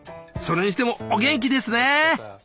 それにしてもお元気ですね！